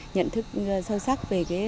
nhận thức sâu sắc về